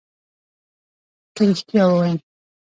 که ريښتيا ووايم